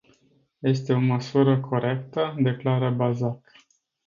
Este o măsură corectă declară Bazac.